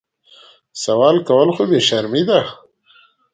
سوال کول خو بې شرمي ده